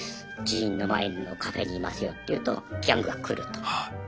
寺院の前のカフェにいますよって言うとギャングが来ると。